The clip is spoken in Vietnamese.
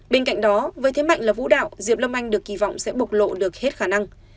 bên cạnh đó với thế mạnh là vũ đạo diệp lâm anh được kỳ vọng sẽ bộc lộ được hết khả năng